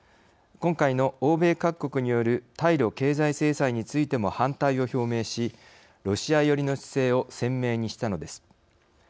今回の欧米各国による対ロ経済制裁についても反対を表明しロシア寄りの姿勢を鮮明にしたのです。